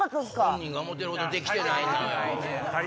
本人が思ってるほどできてないのよ。